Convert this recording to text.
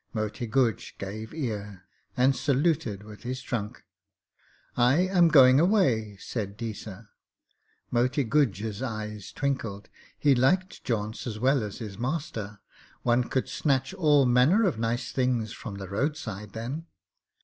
Moti Guj gave ear, and saluted with his trunk, 'I am going away,' said Deesa. Moti Guj's eyes twinkled. He liked jaunts as well as his master. One could snatch all manner of nice things from the roadside then.